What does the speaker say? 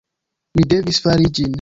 Mi devis fari ĝin.